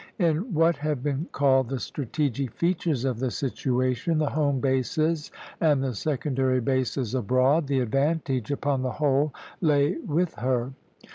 In what have been called the strategic features of the situation, the home bases, and the secondary bases abroad, the advantage upon the whole lay with her.